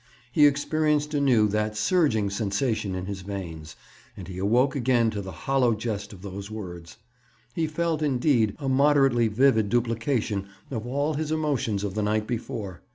He experienced anew that surging sensation in his veins. And he awoke again to the hollow jest of those words! He felt, indeed, a moderately vivid duplication of all his emotions of the night before.